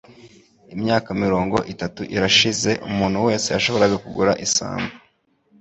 Imyaka mirongo itanu irashize umuntu wese yashoboraga kugura isambu.